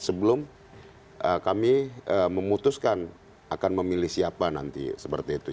sebelum kami memutuskan akan memilih siapa nanti seperti itu